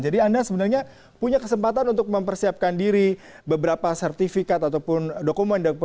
jadi anda sebenarnya punya kesempatan untuk mempersiapkan diri beberapa sertifikat ataupun dokumen